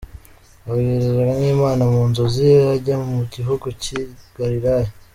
Abwirizwa n’Imana mu nzozi ajya mu gihugu cy’i Galilaya